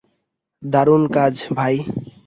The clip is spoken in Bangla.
দারুণ কাজ, ভাই।